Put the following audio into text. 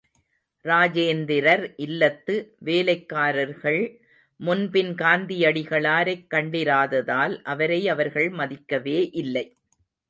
ராஜேந்திரர் இல்லத்து வேலைக்காரர்கள் முன்பின் காந்தியடிகளாரைக் கண்டிராததால், அவரை அவர்கள் மதிக்கவே இல்லை.